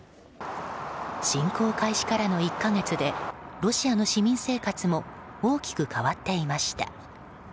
侵攻開始からの１か月でロシアの市民生活も大きく変わっていました。